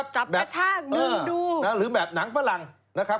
จับแบบกระชากดึงดูหรือแบบหนังฝรั่งนะครับ